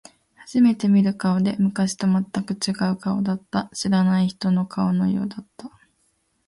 初めて見る顔で、昔と全く違う顔だった。知らない人の顔のようだった。